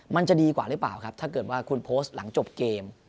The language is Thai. มันจะดีกว่าหรือเปล่าครับถ้าเกิดว่าคุณโพสต์หลังจบเกม